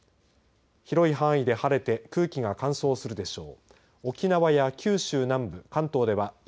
広い範囲で晴れて空気が乾燥するでしょう。